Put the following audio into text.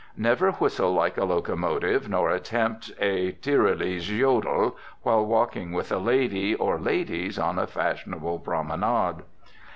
Never whistle like a locomotive, nor attempt a Tyrolese jodel, while walking with a lady or ladies on a fashionable promenade.